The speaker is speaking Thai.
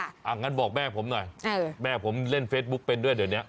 อย่างนั้นบอกแม่ผมหน่อยแม่ผมเล่นเฟซบุ๊กเป็นด้วยเดี๋ยวเนี้ย